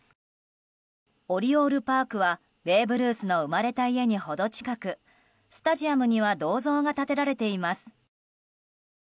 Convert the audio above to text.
オリオール・パークはベーブ・ルースの生まれた家にほど近くスタジアムには銅像が建てられています。